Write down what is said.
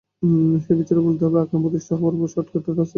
সেই বিচারে বলতে হবে, আকরাম প্রতিষ্ঠা পাওয়ার শর্টকাট রাস্তাটা খুঁজে নেননি।